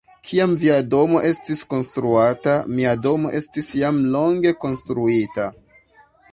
Kiam via domo estis konstruata, mia domo estis jam longe konstruita.